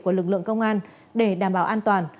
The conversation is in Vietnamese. của lực lượng công an để đảm bảo an toàn